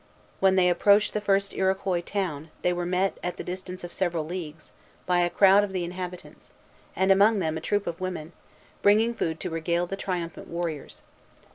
When they approached the first Iroquois town, they were met, at the distance of several leagues, by a crowd of the inhabitants, and among them a troop of women, bringing food to regale the triumphant warriors.